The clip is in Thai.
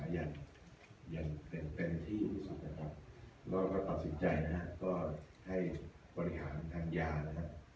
อย่างเต็มที่ที่สุดนะครับแล้วก็ตัดสินใจนะฮะก็ให้บริหารทางยานะครับ